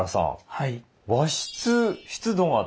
はい。